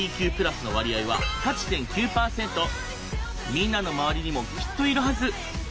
みんなの周りにもきっといるはず。